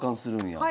はい。